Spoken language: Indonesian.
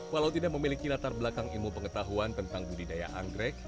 walau tidak memiliki latar belakang ilmu pengetahuan tentang budidaya anggrek